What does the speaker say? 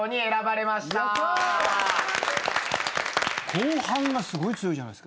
後半がすごい強いじゃないですか。